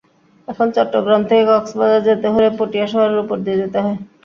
এখন চট্টগ্রাম থেকে কক্সবাজার যেতে হলে পটিয়া শহরের ওপর দিয়ে যেতে হয়।